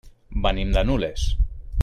Venim de Nules.